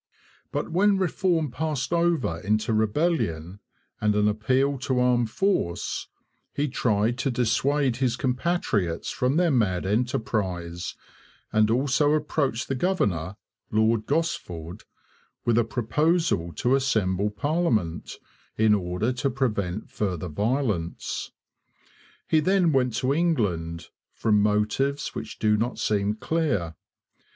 But when reform passed over into rebellion and an appeal to armed force, he tried to dissuade his compatriots from their mad enterprise, and also approached the governor, Lord Gosford, with a proposal to assemble parliament, in order to prevent further violence. He then went to England, from motives which do not seem clear.